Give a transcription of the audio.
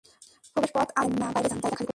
প্রবেশ পথ আটকাবেন না বাইরে যান, জায়গা খালি করুন।